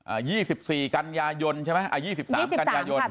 อ่ายี่สิบสี่กัญญายนใช่ไหมอ่ายี่สิบสามกัญญายนยี่สิบสามค่ะ